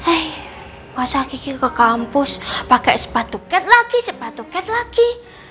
eh masa gigi ke kampus pakai sepatu cat lagi sepatu cat lagi